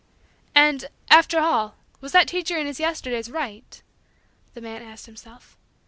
"And, after all, was that teacher in his Yesterdays right?" the man asked himself.